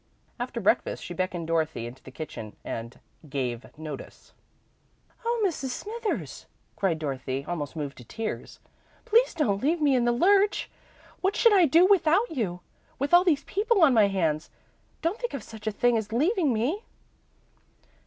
After breakfast, she beckoned Dorothy into the kitchen, and "gave notice." "Oh, Mrs. Smithers," cried Dorothy, almost moved to tears, "please don't leave me in the lurch! What should I do without you, with all these people on my hands? Don't think of such a thing as leaving me!"